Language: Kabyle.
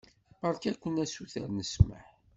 Beṛka-kent asuter n ssmaḥ.